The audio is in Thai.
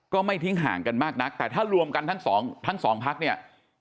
ก็ไม่ทิ้งห่างกันมากนักแต่ถ้ารวมกันทั้งสองทั้งสองพักเนี่ย